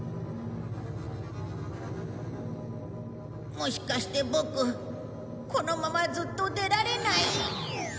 もしかしてボクこのままずっと出られない？